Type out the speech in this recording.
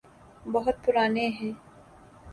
بہت پرانے ہیں۔